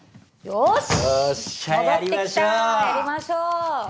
よっしゃやりましょう！